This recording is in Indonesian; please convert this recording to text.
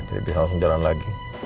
jadi bisa langsung jalan lagi